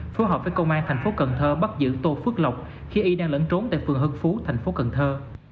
phối hợp với công an thành phố cần thơ bắt giữ tô phước lộc khi y đang lẫn trốn tại phường hưng phú thành phố cần thơ